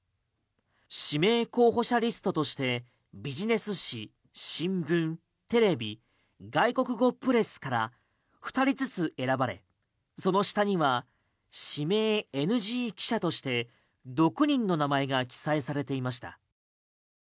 指名候補者リストとしてビジネス誌、新聞、テレビ外国語プレスから２人ずつ選ばれその下には指名ＮＧ記者として６人の名前が記載されていました。